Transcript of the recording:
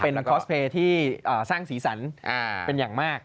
เป็นคอสเพลย์ที่สร้างสีสันเป็นอย่างมาก